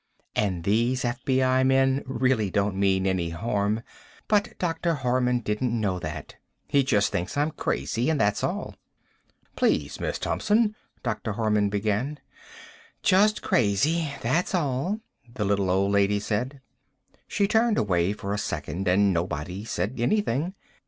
And these FBI men really don't mean any harm. But Dr. Harman didn't know that. He just thinks I'm crazy and that's all." "Please, Miss Thompson " Dr. Harman began. "Just crazy, that's all," the little old lady said. She turned away for a second and nobody said anything.